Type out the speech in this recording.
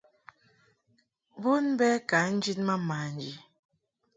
Bon bɛ ka njid ma manji.